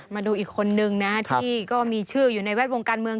มาดูอีกคนนึงนะที่ก็มีชื่ออยู่ในแวดวงการเมือง